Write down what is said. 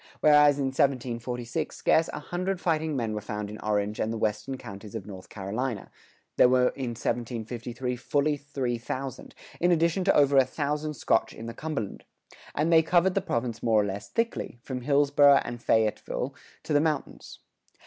Whereas in 1746 scarce a hundred fighting men were found in Orange and the western counties of North Carolina, there were in 1753 fully three thousand, in addition to over a thousand Scotch in the Cumberland; and they covered the province more or less thickly, from Hillsboro and Fayetteville to the mountains.